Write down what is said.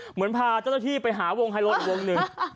เหมือนพาเจ้าหน้าที่ไปหาวงไฮโลอีกวงหนึ่ง